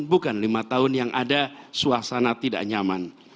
bukan lima tahun yang ada suasana tidak nyaman